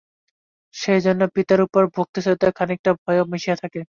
সেই জন্য পিতার উপর ভক্তিশ্রদ্ধায় খানিকটা ভয়ও মিশিয়া থাকে।